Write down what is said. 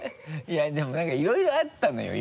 いやでも何かいろいろあったのよ